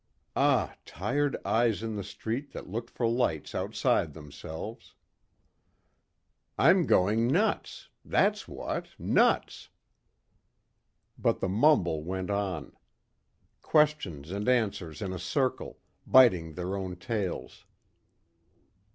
Ah, tired eyes in the street that looked for lights outside themselves. "I'm going nuts. That's what nuts." But the mumble went on. Questions and answers in a circle, biting their own tails.